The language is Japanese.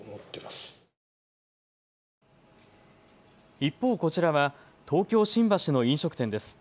一方、こちらは東京新橋の飲食店です。